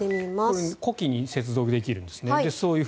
子機に接続できるんですね。